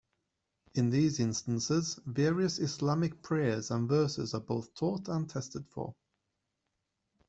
In these instances, various Islamic prayers and verses are both taught and tested for.